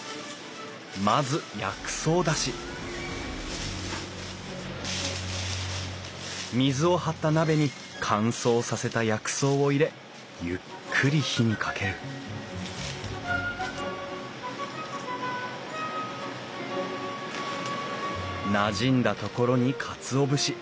まず薬草だし水を張った鍋に乾燥させた薬草を入れゆっくり火にかけるなじんだところにカツオ節。